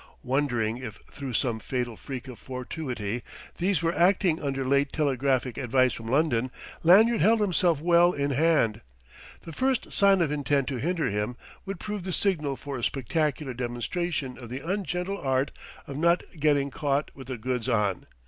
Wondering if through some fatal freak of fortuity these were acting under late telegraphic advice from London, Lanyard held himself well in hand: the first sign of intent to hinder him would prove the signal for a spectacular demonstration of the ungentle art of not getting caught with the goods on.